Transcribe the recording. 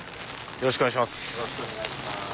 よろしくお願いします。